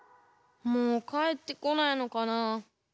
もうかえってこないのかなあ。